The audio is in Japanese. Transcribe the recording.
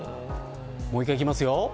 もう１回いきます。